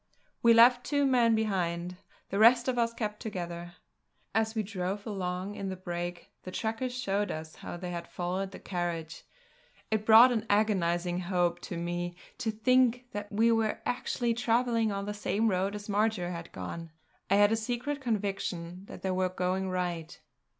We left two men behind; the rest of us kept together. As we drove along in the brake, the trackers showed us how they had followed the carriage. It brought an agonising hope to me to think that we were actually travelling on the same road as Marjory had gone. I had a secret conviction that we were going right.